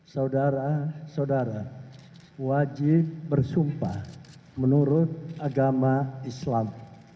saudara saudara wajib bersumpah menurut agama islam